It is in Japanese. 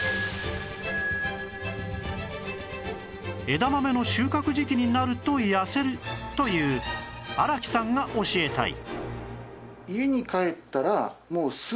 枝豆の収穫時期になると痩せるという荒木さんが教えたい